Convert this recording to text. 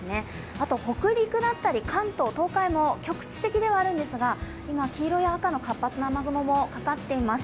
あと北陸だったり関東、東海も局地的ではあるんですが、今黄色や赤の活発な雨雲がかかっています。